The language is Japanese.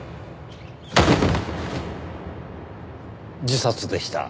自殺でした。